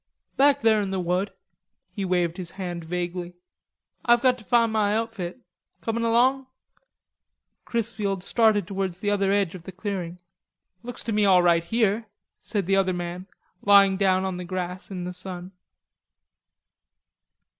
"Back there in the wood"; he waved his hand vaguely. "Ah've got to find ma outfit; comin' along?" Chrisfield started towards the other edge of the clearing. "Looks to me all right here," said the other man, lying down on the grass in the sun.